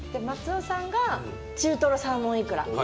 松尾さんが中トロサーモンいくら。